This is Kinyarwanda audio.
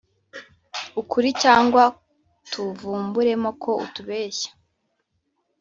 ukuri cyangwa tuvumburemo ko utubeshya.